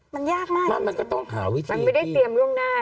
มันยากมากจริงมันไม่ได้เตรียมล่วงหน้ามันมันก็ต้องหาวิธี